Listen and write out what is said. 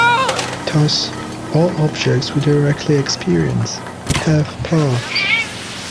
Thus all objects we directly experience have parts.